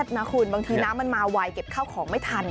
นะคุณบางทีน้ำมันมาไวเก็บข้าวของไม่ทัน